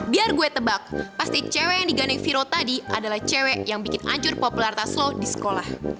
biar gue tebak pasti cewek yang digandeng viro tadi adalah cewek yang bikin hancur popularitas lo di sekolah